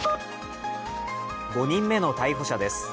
５人目の逮捕者です。